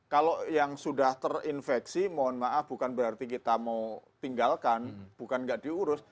kalau yang sudah terinfeksi mohon maaf bukan berarti kita mau tinggalkan bukan nggak diurus